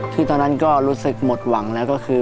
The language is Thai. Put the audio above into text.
ตอนนั้นก็รู้สึกหมดหวังแล้วก็คือ